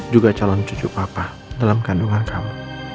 juga calon cucu papa dalam kandungan kamu